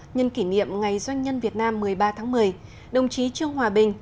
nhân kỷ niệm ngày doanh nhân việt nam một mươi ba tháng một mươi đồng chí trương hòa bình